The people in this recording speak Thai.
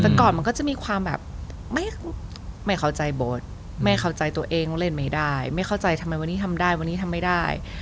แต่ก่อนมันก็จะมีความแบบไม่เข้าใจบทไม่เข้าใจตัวเองว่าเล่นไม่ได้ไม่เข้าใจทำไมวันนี้ทำได้วันนี้ทำไม่ได้